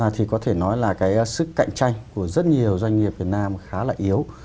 thì có thể nói là cái sức cạnh tranh của rất nhiều doanh nghiệp việt nam khá là yếu